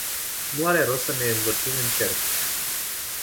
Nu are rost să ne învârtim în cerc.